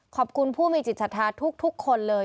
ขอบคุณผู้มีจิตศรัทธาทุกคนเลย